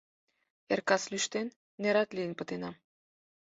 Эр-кас лӱштен, нерат лийын пытенам.